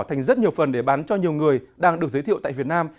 thành rất nhiều phần để bán cho nhiều người đang được giới thiệu tại việt nam